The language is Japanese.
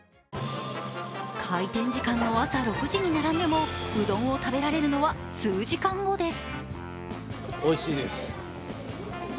開店時間の朝６時に並んでも、うどんを食べられるのは数時間後です。